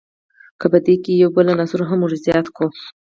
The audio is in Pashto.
که په دې کښي یو بل عنصر هم ور زیات کو.